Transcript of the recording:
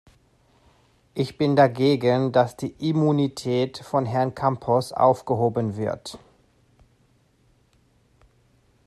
Ich bin dagegen, dass die Immunität von Herrn Campos aufgehoben wird.